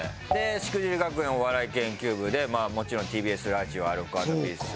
『しくじり学園お笑い研究部』でまあもちろんＴＢＳラジオ『アルコ＆ピース』。